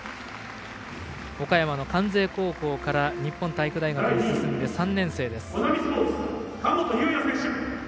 岡山の関西高校から日本体育大学に進んで３年生です。